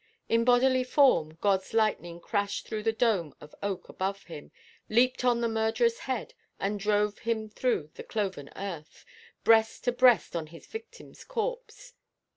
In bodily form Godʼs lightning crashed through the dome of oak above him, leaped on the murdererʼs head, and drove him through the cloven earth, breast to breast on his victimʼs corpse.